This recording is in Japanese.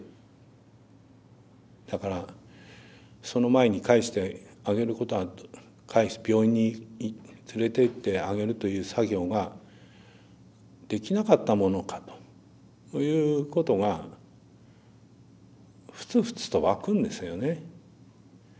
だからその前に帰してあげることが病院に連れてってあげるという作業ができなかったものかということがふつふつと湧くんですよね。